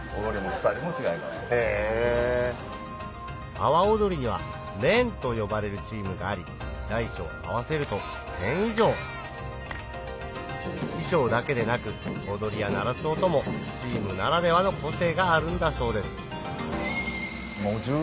阿波おどりには「連」と呼ばれるチームがあり大小合わせると１０００以上衣装だけでなく踊りや鳴らす音もチームならではの個性があるんだそうです